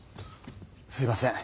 すいません。